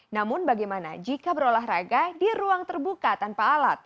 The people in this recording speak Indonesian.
namun bagaimana jika berolahraga di ruang terbuka tanpa alat